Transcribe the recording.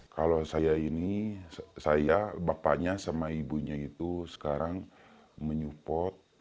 kalau saya ini saya bapaknya sama ibunya itu sekarang menyupport